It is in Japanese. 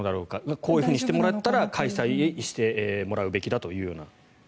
こういうふうにしてもらったら開催してもらうべきだというような。